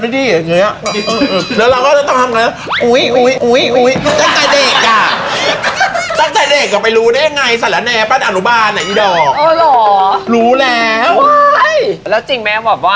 แล้วเราก็ต้องทำแบบโอ้ย